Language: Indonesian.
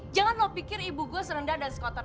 jangan lo pikir ibu gue serendah dan sekotor